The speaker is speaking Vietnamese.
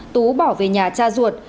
tú bỏ về nhà cha ruột